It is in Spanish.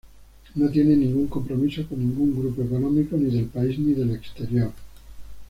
No tiene ningún compromiso con ningún grupo económico ni del país ni del exterior.